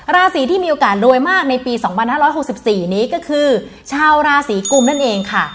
ราศีที่มีโอกาสรวยมากในปี๒๕๖๔นี้ก็คือชาวราศีกุมนั่นเองค่ะ